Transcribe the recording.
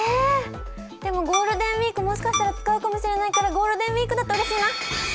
でも、ゴールデンウイークもしかしたら使うかもしれないからゴールデンウイークだとうれしいな。